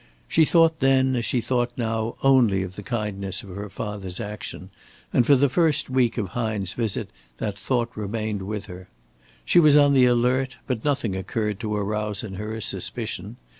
She thought then, as she thought now, only of the kindness of her father's action, and for the first week of Hine's visit that thought remained with her. She was on the alert, but nothing occurred to arouse in her a suspicion.